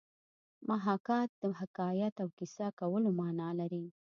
محاکات د حکایت او کیسه کولو مانا لري